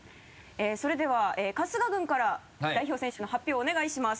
それでは春日軍から代表選手の発表をお願いします。